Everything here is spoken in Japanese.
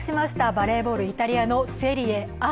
バレーボールイタリアのセリエＡ。